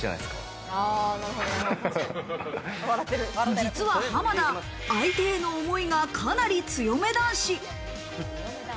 実は濱田、相手への思いがかなり強め男子。